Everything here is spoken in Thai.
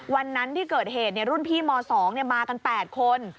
วันนั้นที่เกิดเหตุรุ่นพี่ม๒มากัน๘คน